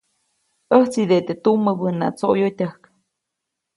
ʼÄjtsideʼe teʼ tumäbäna tsoʼyotyäjk.